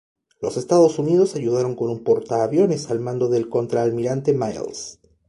Los Estados Unidos ayudaron con un portaaviones al mando del Contraalmirante Miles.